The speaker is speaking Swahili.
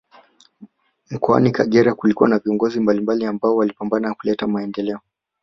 Mkoani kagera kulikuwa na viongozi mbalimbali ambao walipambana kuleta maendeleo